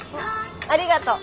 ありがとう。